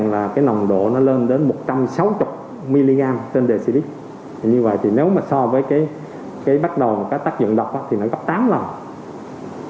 là cái nồng độ nó lên đến một trăm sáu mươi mg trên dd như vậy thì nếu mà so với cái bắt đầu tác dụng độc thì nó gấp tám lần